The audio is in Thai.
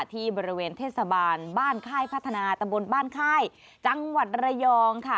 ที่บริเวณเทศบาลบ้านค่ายพัฒนาตำบลบ้านค่ายจังหวัดระยองค่ะ